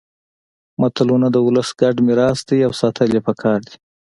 متلونه د ولس ګډ میراث دي او ساتل يې پکار دي